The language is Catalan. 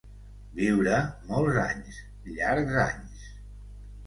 Viure molts anys, llargs anys.